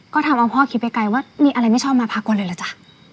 ก็ทำว่าพ่อคิดไปไกลว่ามีอะไรไม่ชอบมาพากวนเลยหรือยังจ๊ะ